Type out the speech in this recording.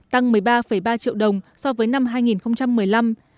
tăng một mươi ba ba triệu đồng so với năm hai nghìn một mươi năm